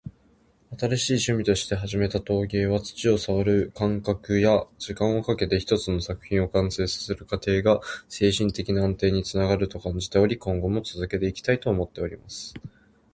「新しい趣味として始めた陶芸は、土を触る感覚や、時間をかけて一つの作品を完成させる過程が精神的な安定につながると感じており、今後も続けていきたいと思っています。」